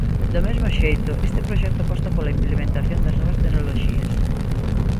Do mesmo xeito, este proxecto aposta pola implementación das novas tecnoloxías.